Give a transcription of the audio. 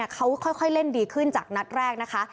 เขาค่อยเล่นดีขึ้นจากนัดแรกนะคะ